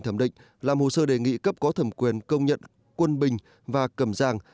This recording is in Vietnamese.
thẩm định làm hồ sơ đề nghị cấp có thẩm quyền công nhận quân bình và cầm giang